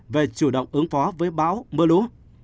về chủ động ứng phó với bão mưa lũ